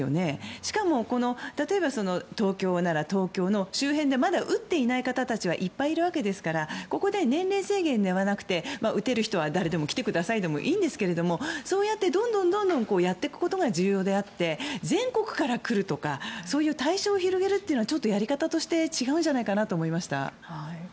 しかも、例えば東京なら東京の周辺でまだ打っていない方たちはいっぱいいるわけですからここで年齢制限ではなくて打てる人は誰でも来てくださいでもいいんですけれども、そうやってどんどんやっていくことが重要であって、全国から来るとかそういう対象を広げるというのはやり方として違うんじゃないかなと思いました。